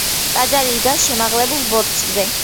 ტაძარი დგას შემაღლებულ ბორცვზე.